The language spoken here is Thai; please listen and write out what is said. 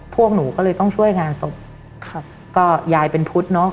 พวกหนูก็เลยต้องช่วยงานศพครับก็ยายเป็นพุทธเนอะ